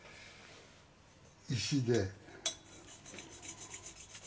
「石で」